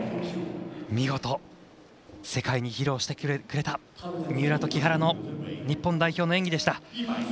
見事世界に披露してくれた三浦と木原の日本代表の演技でした。